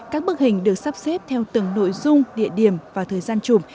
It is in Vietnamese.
các bức hình được sắp xếp theo từng nội dung địa điểm và thời gian chụp